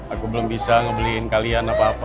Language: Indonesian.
aku belum bisa ngebeliin kalian apa apa